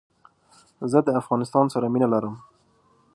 زه دافغانستان سره مينه لرم